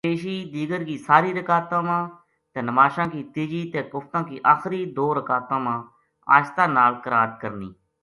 پیشی، دیگر کی ساری رکاتاں ما تے نماشاں کی تیجی تے کفتاں کی آخری دو رکاتاں ما آہستہ نال قرات کرنی۔